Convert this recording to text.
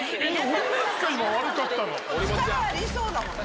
パワーありそうだもんね。